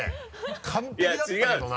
完璧だったけどな。